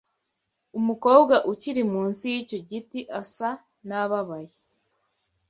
Umukobwa ukiri munsi yicyo giti asa nababaye.